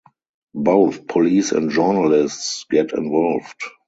Both police and journalists get involved.